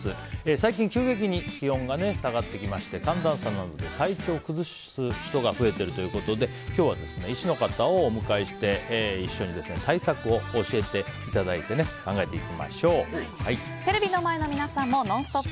最近急激に気温が下がってきていますが寒暖差などで体調を崩す人が増えているということで今日は医師の方をお迎えして一緒に対策を教えていただいてテレビの前の皆さんもＮＯＮＳＴＯＰ！